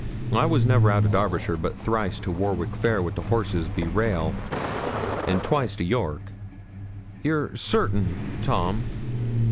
I was ne'er out o' Derbyshire but thrice to Warwick fair wi' horses be rail, an' twice to York.' 'You're certain, Tom?'